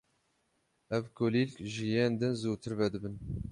Ev kulîlk ji yên din zûtir vedibin.